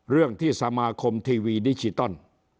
เรื่องที่สมาคมทีวีดิจิตอล